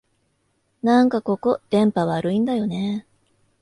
なんかここ、電波悪いんだよねえ